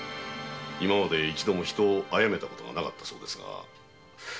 今までは人を殺めたことはなかったそうです。